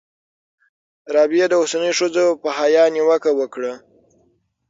رابعې د اوسنیو ښځو په حیا نیوکه وکړه.